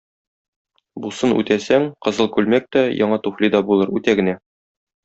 Бусын үтәсәң, кызыл күлмәк тә, яңа туфли дә булыр, үтә генә.